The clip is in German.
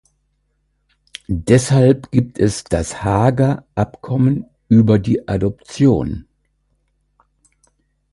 Deshalb gibt es das Haager Abkommen über die Adoption.